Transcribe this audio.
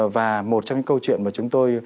và một trong những câu chuyện mà chúng tôi